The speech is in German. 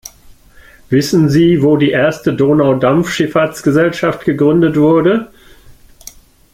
Wissen sie wo die erste Donaudampfschiffahrtsgesellschaft gegründet wurde?